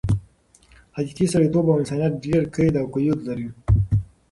حقیقي سړیتوب او انسانیت ډېر قید او قیود لري.